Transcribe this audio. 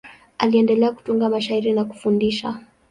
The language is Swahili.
Aliendelea kutunga mashairi na kufundisha.